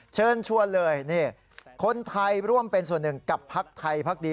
เชิญชวนเลยนี่คนไทยร่วมเป็นส่วนหนึ่งกับพักไทยพักดี